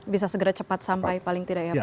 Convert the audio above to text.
bisa segera cepat sampai paling tidak ya pak